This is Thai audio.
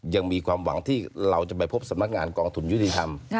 ยังมีความหวังที่เราจะไปพบสำนักงานกองทุนยุติธรรม